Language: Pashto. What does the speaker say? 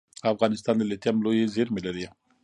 افغانستان د لیتیم لویې زیرمې لري